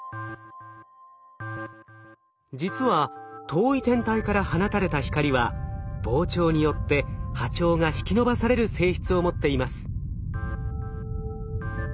実は遠い天体から放たれた光は膨張によって波長が引き伸ばされる性質を持っています。